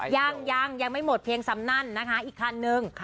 ยังยังยังไม่หมดเพียงสำนั่นนะคะอีกคันนึง